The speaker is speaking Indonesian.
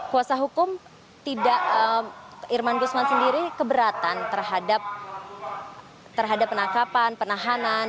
kuasa hukum tidak irman gusman sendiri keberatan terhadap penangkapan penahanan